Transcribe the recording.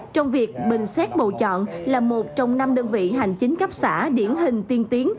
trong việc bình xét bầu chọn là một trong năm đơn vị hành chính cấp xã điển hình tiên tiến